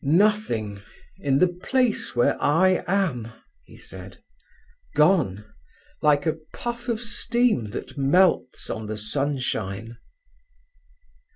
"Nothing, in the place where I am," he said. "Gone, like a puff of steam that melts on the sunshine."